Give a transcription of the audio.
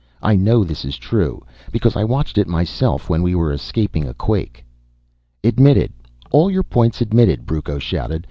I know this is true, because I watched it myself when we were escaping a quake." "Admitted all your points admitted," Brucco shouted.